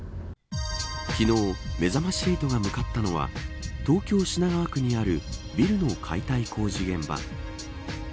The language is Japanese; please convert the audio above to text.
昨日めざまし８が向かったのは東京・品川区にあるビルの解体工事現場。